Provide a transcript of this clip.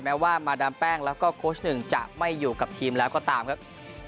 แม้ว่ามาดามแป้งแล้วก็โค้ชหนึ่งจะไม่อยู่กับทีมแล้วก็ตามครับ